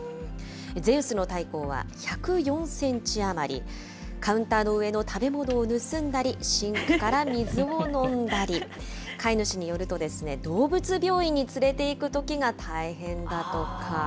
ゼウスの体高は１０４センチ余り、カウンターの上の食べ物を盗んだり、シンクから水を飲んだり、飼い主によると、動物病院に連れて行くときが大変だとか。